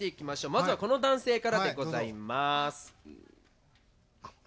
まずはこの男性からでございます。